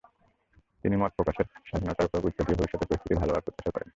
তিনি মতপ্রকাশের স্বাধীনতার ওপর গুরুত্ব দিয়ে ভবিষ্যতের পরিস্থিতি ভালো হওয়ার প্রত্যাশা করেন।